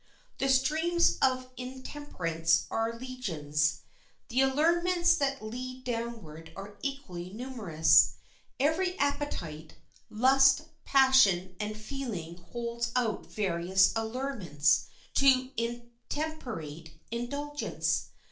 The streams of intemperance are legions. The allurements that lead downward are equally numerous. Every appetite, lust, passion, and feeling holds out various allurements to intemperate indulgence.